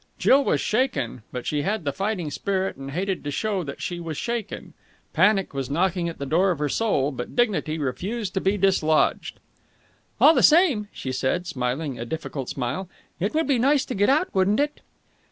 Jill was shaken; but she had the fighting spirit and hated to show that she was shaken. Panic was knocking at the door of her soul, but dignity refused to be dislodged. "All the same," she said, smiling a difficult smile, "it would be nice to get out, wouldn't it?"